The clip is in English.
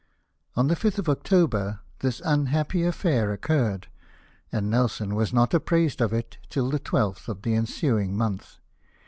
On the 5th of October this unhappy affair occurred, and Nelson was not apprised of it till the 12th of the ensuing month.